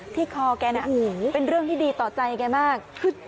คอแกน่ะเป็นเรื่องที่ดีต่อใจแกมาก